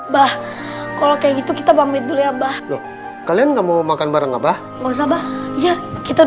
bahka gitu kita beverly elabah lo kalian kamu makan bareng ngebah ayas hoodie dead